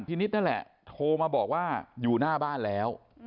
นิดนั่นแหละโทรมาบอกว่าอยู่หน้าบ้านแล้ว